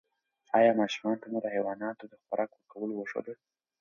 ایا ماشومانو ته مو د حیواناتو د خوراک ورکولو وښودل؟